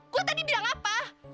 gua tadi bilang apa